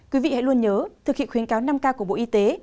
quý vị hãy luôn nhớ thực hiện khuyến cáo năm k của bộ y tế